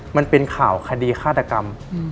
มันเป็นข่าวคดีฆาตกรรม